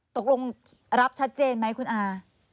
ตกลงรับชัดเจนไหมคุณอา